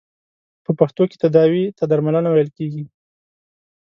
په پښتو کې تداوې ته درملنه ویل کیږی.